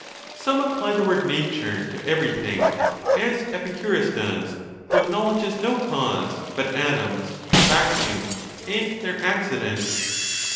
Some apply the word nature to everything ; as Epicurus does, who acknowledges no cause, but atoms, a vacuum, and their accidents.